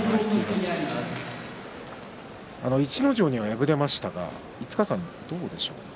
逸ノ城には敗れましたがこのところどうでしょう？